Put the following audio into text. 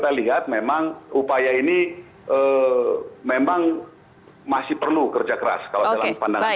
tapi saya rasa memang upaya ini memang masih perlu kerja keras kalau dalam pandangan kami